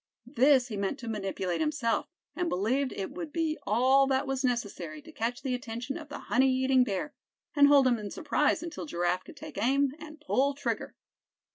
This he meant to manipulate himself, and believed it would be all that was necessary to catch the attention of the honey eating bear, and hold him in surprise until Giraffe could take aim, and pull trigger.